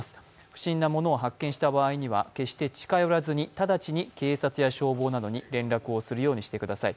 不審なものを発見した場合には決して近寄らず直ちに警察や消防などに連絡をするようにしてください。